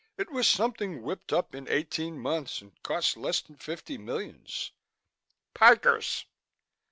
"It was something whipped up in eighteen months and cost less than fifty millions." "Pikers!"